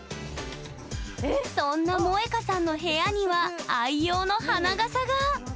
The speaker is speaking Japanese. そんな萌花さんの部屋には愛用の花笠が！